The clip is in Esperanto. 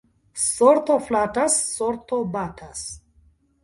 Sorto flatas, sorto batas.